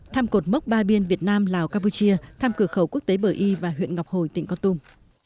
thăm cột mốc ba biên việt nam lào campuchia thăm cửa khẩu quốc tế bờ y và huyện ngọc hồi tỉnh con tum